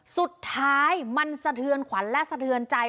สุดท้ายมันสะเทือนขวัญและสะเทือนใจ